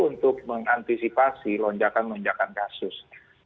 untuk mengantisipasi lonjakan lonjakan kasus